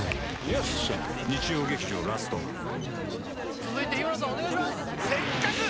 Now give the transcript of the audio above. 続いて日村さんお願いします！